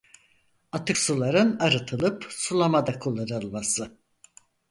Atık suların arıtılıp sulamada kullanılması.